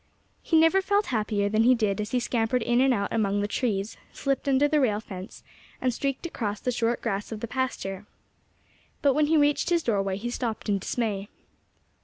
He never felt happier than he did as he scampered in and out among the trees, slipped under the rail fence, and streaked across the short grass of the pasture. But when he reached his doorway he stopped in dismay.